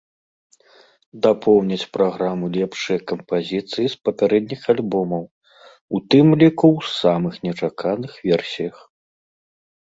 Дапоўняць праграму лепшыя кампазіцыі з папярэдніх альбомаў, у тым ліку ў самых нечаканых версіях.